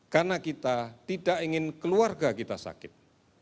karena kita tidak ingin keluarga kita sakit